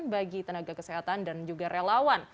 bagi tenaga kesehatan dan juga relawan